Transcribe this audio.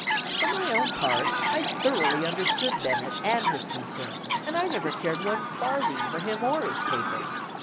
For my own part, I thoroughly understood Bennett and his concern, and I never cared one farthing for him or his paper.